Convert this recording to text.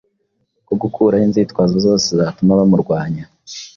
bwo gukuraho inzitwazo zose zatuma bamurwanya.